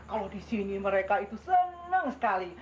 kalau di sini mereka itu senang sekali